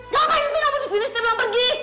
gapain sih kamu disini setiap bilang pergi